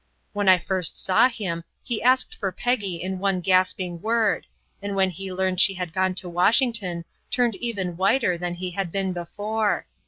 When I first saw him he asked for Peggy in one gasping word, and when he learned she had gone to Washington turned even whiter than he had been before.